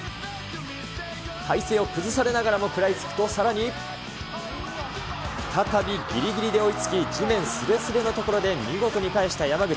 体勢を崩されながらも食らいつくと、さらに。再びぎりぎりで追いつき、地面すれすれの所で見事に返した山口。